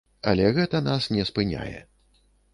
Але гэта нас не спыняе.